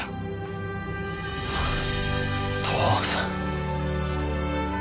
父さん。